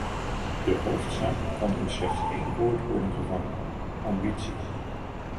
De hoofdzaak kan in slechts één woord worden gevangen: ambitie.